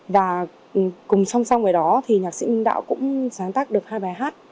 và cùng song song với đó thì nhạc sĩ minh đạo cũng sáng tác được hai bài hát